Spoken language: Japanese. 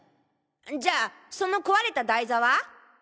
じゃあその壊れた台座は？